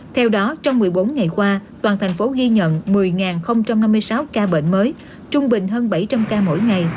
theo đó trong một mươi bốn ngày qua toàn thành phố ghi nhận một mươi năm mươi sáu ca bệnh mới trung bình hơn bảy trăm linh ca mỗi ngày